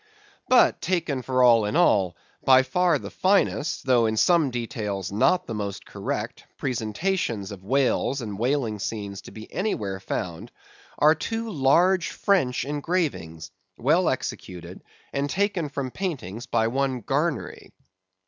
But, taken for all in all, by far the finest, though in some details not the most correct, presentations of whales and whaling scenes to be anywhere found, are two large French engravings, well executed, and taken from paintings by one Garnery.